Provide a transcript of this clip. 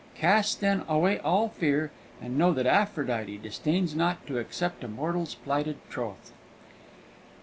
Cast, then, away all fear, and know that Aphrodite disdains not to accept a mortal's plighted troth!"